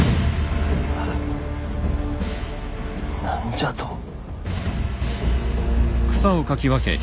何じゃと。